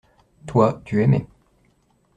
Toi, tu aimais.